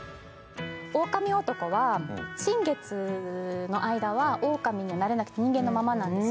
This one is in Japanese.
オオカミ男は新月の間は、オオカミになれなくて、人間のままなんです。